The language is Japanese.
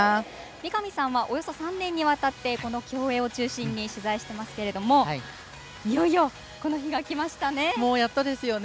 三上さんはおよそ３年にわたって競泳を中心に取材していますがいよいよ、この日が来ましたね。